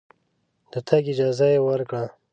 د تګ اجازه یې ورکړه.